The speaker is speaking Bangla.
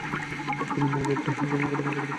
তিনি মূল বৌদ্ধ গ্রন্থগুলো পড়া শুরু করেন।